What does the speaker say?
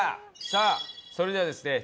さあそれではですね